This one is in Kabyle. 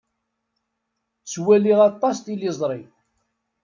Ttwaliɣ aṭas tiliẓri.